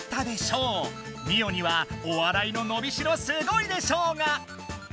ミオには「お笑いの伸びしろすごいで賞」が！